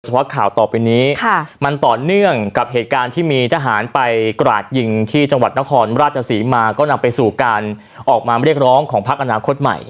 เพราะข่าวต่อไปนี้มันต่อเนื่องกับเหตุการณ์ที่มีทหารไปกราดยิงที่จังหวัดนครราชศรีมาก็นำไปสู่การออกมาเรียกร้องของพักอนาคตใหม่